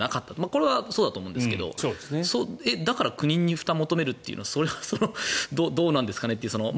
これはそうだと思いますがだから国に負担を求めるというのはそれはどうなんですかねという。